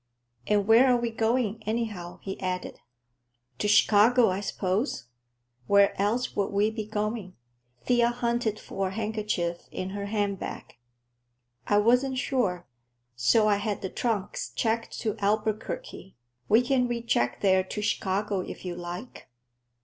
"And where are we going, anyhow?" he added. "To Chicago, I suppose. Where else would we be going?" Thea hunted for a handkerchief in her handbag. "I wasn't sure, so I had the trunks checked to Albuquerque. We can recheck there to Chicago, if you like.